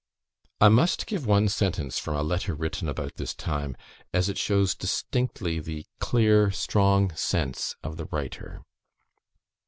I must give one sentence from a letter written about this time, as it shows distinctly the clear strong sense of the writer.